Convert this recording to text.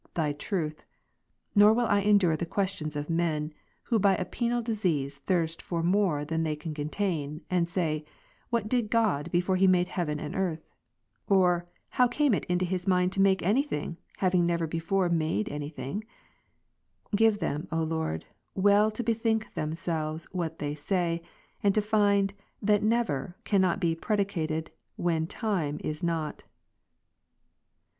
Thy truth ; nor will I endure the questions of men, who by a penal disease thirst for more than they can contain, and say, "what did God before He made heaven and earth .?"" Or, how came it into His mind to make any thing, having never before made any thing?" Give them, O Lord, well to bethink themselves what they say, and to find, that "never" cannot be predicated, when "time "is not, _.